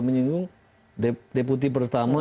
menyinggung deputi pertama